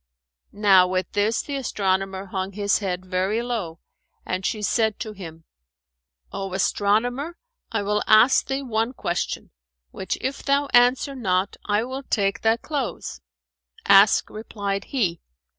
"[FN#426] Now with this, the astronomer hung his head very low, and she said to him, "O astronomer, I will ask thee one question, which if thou answer not, I will take thy clothes." "Ask," replied he.